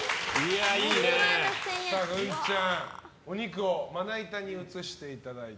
グンちゃんお肉をまな板に移していただいて。